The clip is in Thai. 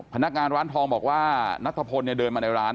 พนักงานร้านทองบอกว่านัทพลเดินมาในร้าน